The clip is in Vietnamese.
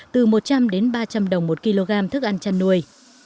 từ một trăm linh đến ba trăm linh đồng một kg thức ăn chăn nuôi